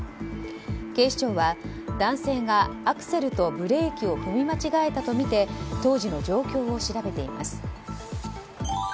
警視庁は男性がアクセルとブレーキを踏み間違えたとみて当時の状況を調べています。